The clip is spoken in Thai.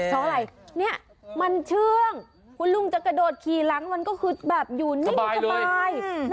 เพราะอะไรเนี่ยมันเชื่องคุณลุงจะกระโดดขี่หลังมันก็คือแบบอยู่นิ่งสบาย